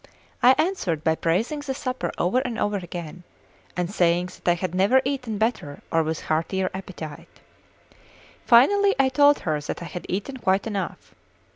I answered by praising the supper over and over again, and saying that I had never eaten better or with heartier appetite. Finally, I told her that I had eaten quite enough.